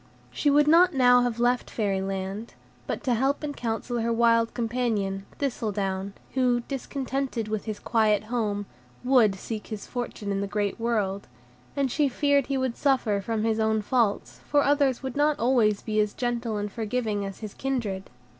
She would not now have left Fairy Land, but to help and counsel her wild companion, Thistledown, who, discontented with his quiet home, WOULD seek his fortune in the great world, and she feared he would suffer from his own faults for others would not always be as gentle and forgiving as his kindred.